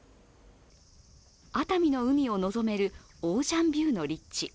熱海の海を望めるオーシャンビューの立地。